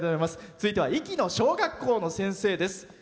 続いては壱岐の小学校の先生です。